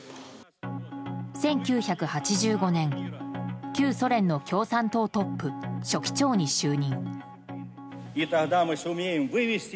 １９８５年旧ソ連の共産党トップ書記長に就任。